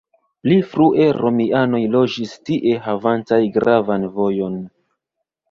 Pli frue romianoj loĝis tie havantaj gravan vojon.